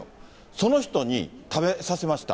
その人に食べさせました。